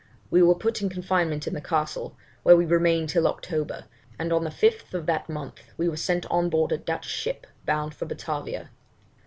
We were put in confinement in the castle, where we remained till October, and on the 5th of that month were sent on board a Dutch ship bound for Batavia.